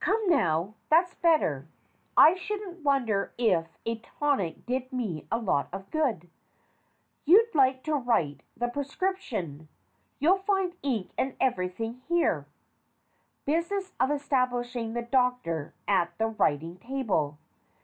214 STORIES WITHOUT TEARS Come, now, that's better. I shouldn't wonder if a tonic did me a lot of good. You'd like to write the prescription; you'll find ink and everything here. (Business of establishing the DOCTOR at the writing table.